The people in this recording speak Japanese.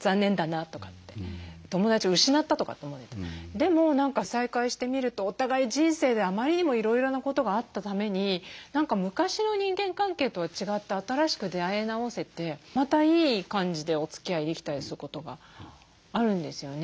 でも再会してみるとお互い人生であまりにもいろいろなことがあったために昔の人間関係とは違って新しく出会え直せてまたいい感じでおつきあいできたりすることがあるんですよね。